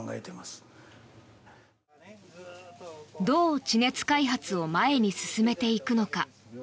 どう地熱開発を前に進めていくのか。